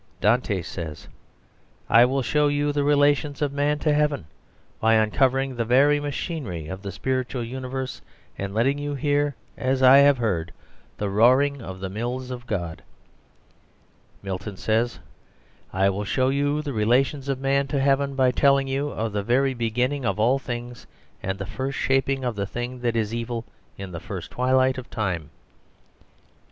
Dante says, "I will show you the relations of man to heaven by uncovering the very machinery of the spiritual universe, and letting you hear, as I have heard, the roaring of the mills of God." Milton says, "I will show you the relations of man to heaven by telling you of the very beginning of all things, and the first shaping of the thing that is evil in the first twilight of time."